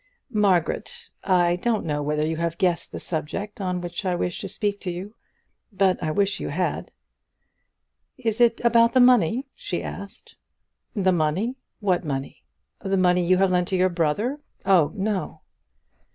"Margaret, I don't know whether you have guessed the subject on which I wish to speak to you; but I wish you had." "Is it about the money?" she asked. "The money! What money? The money you have lent to your brother? Oh, no."